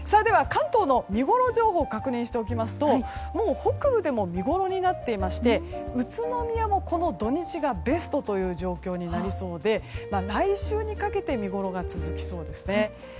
では関東の見ごろ情報確認しておきますと北部でも見ごろになっていまして宇都宮も、この土日がベストという状況になりそうで来週にかけて見ごろが続きそうですね。